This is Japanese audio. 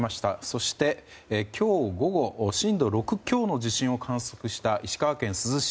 そして、今日午後震度６強の地震を観測した石川県珠洲市。